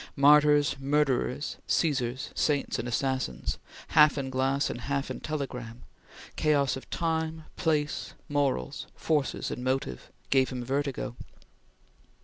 Martyrs, murderers, Caesars, saints and assassins half in glass and half in telegram; chaos of time, place, morals, forces and motive gave him vertigo.